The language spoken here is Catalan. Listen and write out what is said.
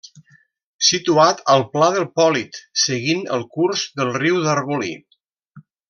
Situat al Pla del Pòlit, seguint el curs del Riu d'Arbolí.